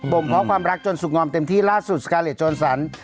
บ่งพร้อมความรักจนสุขงอมเต็มที่ล่าสุดสการ์เล็ตโจรสัน